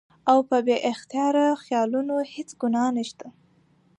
او پۀ بې اختياره خيالونو هېڅ ګناه نشته